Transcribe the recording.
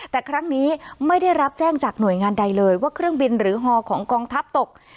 แต่ครั้งนี้ไม่ได้รับแจ้งจากหน่วยงานใดเลยว่าเครื่องบินหรือฮอของกองทัพตก